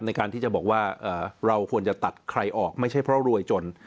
ในการที่จะบอกว่าเราควรจะตัดใครออกไม่ใช่เพราะรวยจน